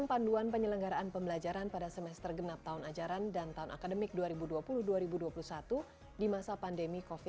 bahwa orang tua memiliki hak penuh untuk menelusuri